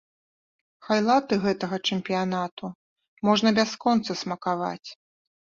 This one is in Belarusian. Хайлайты гэтага чэмпіянату можна бясконца смакаваць.